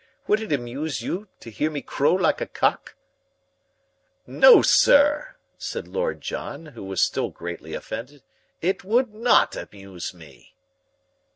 Would it amuse you to hear me crow like a cock?" "No, sir," said Lord John, who was still greatly offended, "it would not amuse me."